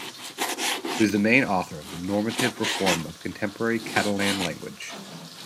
He was the main author of the normative reform of contemporary Catalan language.